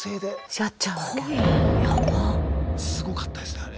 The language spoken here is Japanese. すごかったですねあれ。